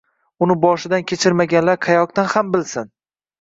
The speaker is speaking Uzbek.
Buni boshidan kechirmaganlar qayoqdan ham bilsin